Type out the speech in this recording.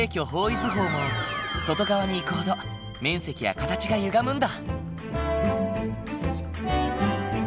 図法も外側に行くほど面積や形がゆがむんだ。